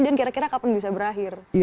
dan kira kira kapan bisa berakhir